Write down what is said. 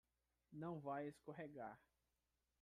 Não vai escorregar